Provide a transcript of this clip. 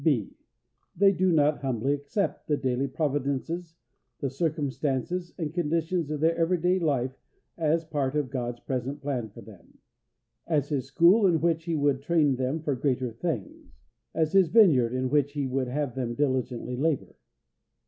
(b) They do not humbly accept the daily providences, the circumstances, and conditions of their everyday life as a part of God's present plan for them; as His school in which He would train them for greater things; as His vineyard in which He would have them diligently labour.